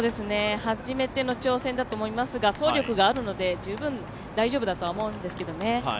初めての挑戦だと思いますが、走力があるので、十分大丈夫だとは思うんですけどね。